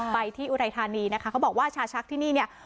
ไปที่อุทัยธานีนะคะเขาบอกว่าชาชักที่นี่เนี่ย